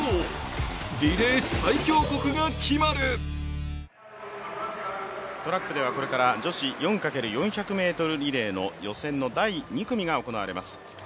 今だけ秋の味トラックではこれから女子４×４００ｍリレーの予選の第２組が行われます。